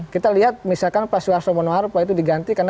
kita lihat misalkan pak suhaso monoharpa itu diganti